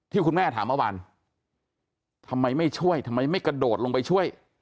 คุณแม่ถามเมื่อวานทำไมไม่ช่วยทำไมไม่กระโดดลงไปช่วย